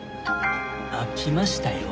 あっ来ましたよ。